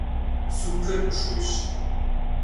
Супыр мышущ.